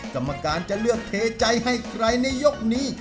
กรรมการจะเลือกเทใจให้ใครในยกนี้